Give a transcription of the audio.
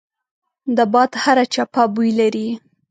د باد هره چپه بوی لري